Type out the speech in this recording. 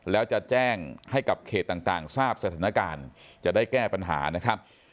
แล้วจะแจ้งให้กับเขตต่างทราบสถานการณ์จะได้แก้ปัญหานะครับ